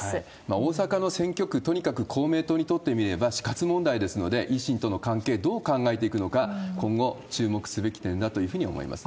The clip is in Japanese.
大阪の選挙区、とにかく公明党にとってみれば死活問題ですので、維新との関係、どう考えていくのか、今後、注目すべき点だというふうに思いますね。